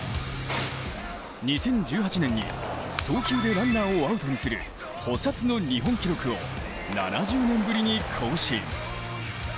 ２０１８年に送球でランナーをアウトにする補殺の日本記録を７０年ぶりに更新。